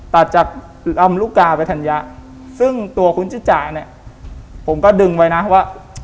ตัดจากลำลูกกาไปธัญญะซึ่งตัวคุณจิจาเนี่ยผมก็ดึงไว้นะว่า